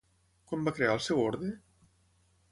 Quan va crear el seu orde?